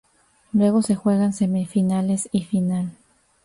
Luego se juegan semifinales y final.